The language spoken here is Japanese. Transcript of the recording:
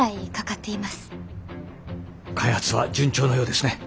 開発は順調のようですね。